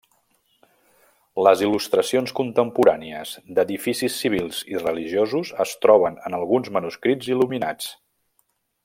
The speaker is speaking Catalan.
Les il·lustracions contemporànies d'edificis civils i religiosos es troben en alguns manuscrits il·luminats.